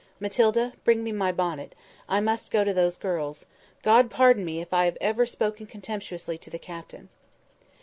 "Matilda, bring me my bonnet. I must go to those girls. God pardon me, if ever I have spoken contemptuously to the Captain!"